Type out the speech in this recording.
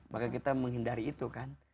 maka kita menghindari itu kan